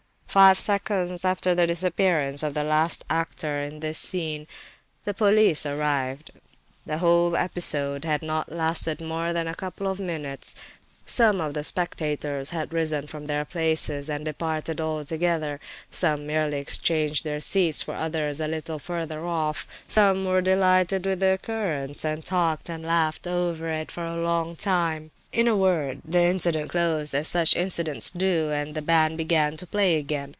Five seconds after the disappearance of the last actor in this scene, the police arrived. The whole episode had not lasted more than a couple of minutes. Some of the spectators had risen from their places, and departed altogether; some merely exchanged their seats for others a little further off; some were delighted with the occurrence, and talked and laughed over it for a long time. In a word, the incident closed as such incidents do, and the band began to play again.